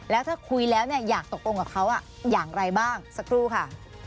แล้วถ้าคุยแล้วอยากตกลงกับเขาอย่างไรบ้างสักครู่ค่ะ